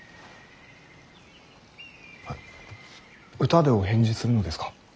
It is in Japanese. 歌でお返事するのですか。